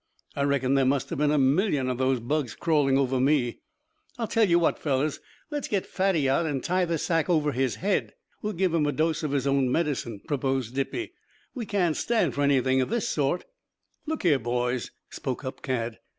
I reckon there must have been a million of those bugs crawling over me." "I'll tell you what, fellows. Let's get Fatty out and tie the sack over his head. We'll give him a dose of his own medicine," proposed Dippy. "We can't stand for anything of this sort." "Look here, boys," spoke up Cad.